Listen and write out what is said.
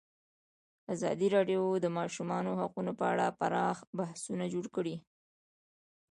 ازادي راډیو د د ماشومانو حقونه په اړه پراخ بحثونه جوړ کړي.